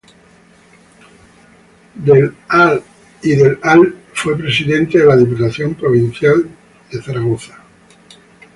Del al y del al fue Presidente de la Diputación Provincial de Zaragoza.